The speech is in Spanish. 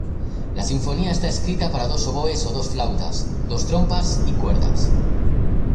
La sinfonía está escrita para dos oboes o dos flautas, dos trompas y cuerdas.